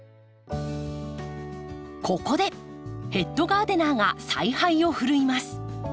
ここでヘッドガーデナーが采配を振るいます。